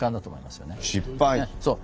そう。